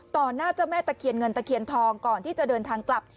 หน้าเจ้าแม่ตะเคียนเงินตะเคียนทองก่อนที่จะเดินทางกลับ